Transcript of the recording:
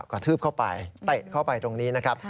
กระทืบเข้าไปเตะเข้าไปตรงนี้นะครับ